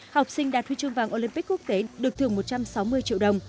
học sinh đạt huy chương vàng olympic quốc tế được thưởng một trăm sáu mươi triệu đồng